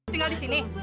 tinggal di sini